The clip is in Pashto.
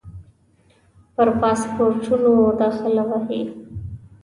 پر پاسپورټونو داخله وهي.